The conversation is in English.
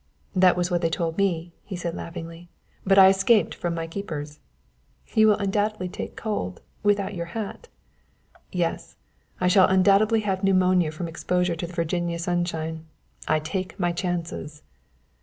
"That was what they told me," he said, laughing; "but I escaped from my keepers." "You will undoubtedly take cold, without your hat!" "Yes; I shall undoubtedly have pneumonia from exposure to the Virginia sunshine. I take my chances."